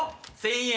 １，０００円。